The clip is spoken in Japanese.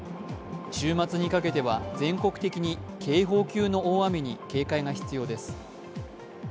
週末にかけては全国的に警報級の大雨に警戒が必要です。